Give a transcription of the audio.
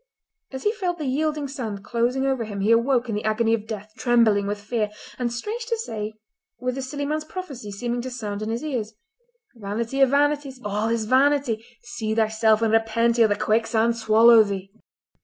As he felt the yielding sand closing over him he awoke in the agony of death, trembling with fear, and, strange to say, with the silly man's prophecy seeming to sound in his ears: "'Vanity of vanities! All is vanity!' See thyself and repent ere the quicksand swallow thee!"